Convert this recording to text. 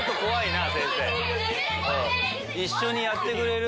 一緒にやってくれる？